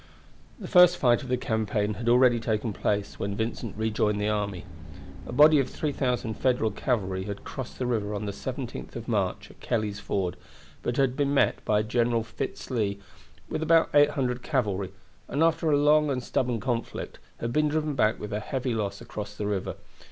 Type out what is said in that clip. The first fight of the campaign had already taken place when Vincent rejoined the army. A body of 3,000 Federal cavalry had crossed the river on the 17th of March at Kelley's Ford, but had been met by General Fitz Lee with about 800 cavalry, and after a long and stubborn conflict had been driven back with heavy loss across the river.